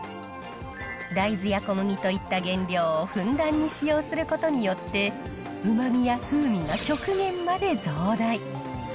大豆や小麦といった原料をふんだんに使用することによって、うまみや風味が極限まで増大。